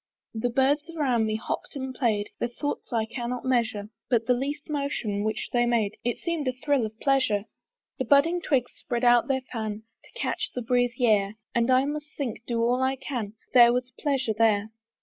The birds around me hopp'd and play'd: Their thoughts I cannot measure, But the least motion which they made, It seem'd a thrill of pleasure. The budding twigs spread out their fan, To catch the breezy air; And I must think, do all I can, That there was pleasure there.